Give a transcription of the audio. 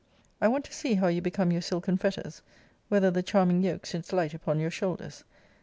I want to see how you become your silken fetters: whether the charming yoke sits light upon your shoulders.